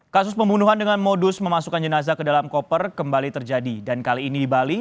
kasus pembunuhan dengan modus memasukkan jenazah ke dalam koper kembali terjadi dan kali ini di bali